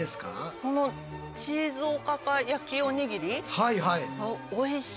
チーズおかか焼きおにぎり。